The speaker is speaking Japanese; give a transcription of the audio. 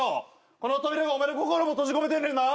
この扉がお前の心も閉じ込めてんねんな。